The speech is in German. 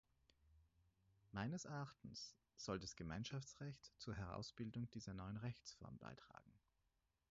Meines Erachtens soll das Gemeinschaftsrecht zur Herausbildung dieser neuen Rechtsform beitragen.